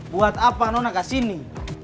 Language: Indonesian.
buat apa nona ke sini